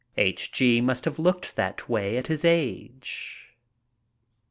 H. G. must have looked that way at his age.